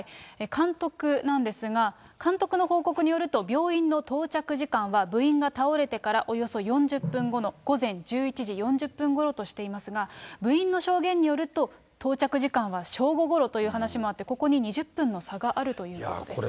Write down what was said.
監督なんですが、監督の報告によると、病院の到着時間は部員が倒れてからおよそ４０分後の午前１１時４０分ごろとしていますが、部員の証言によると、到着時間は正午ごろという話もあって、ここに２０分の差があるということです。